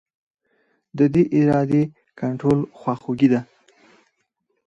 د دې ارادې کنټرول خواخوږي ده.